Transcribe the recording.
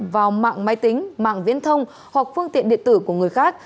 vào mạng máy tính mạng viễn thông hoặc phương tiện điện tử của người khác